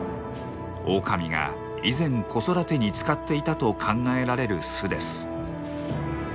オオカミが以前子育てに使っていたと考えられる巣です。